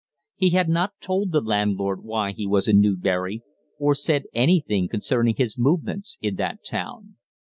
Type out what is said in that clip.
He had not told the landlord why he was in Newbury, or said anything concerning his movements in that town.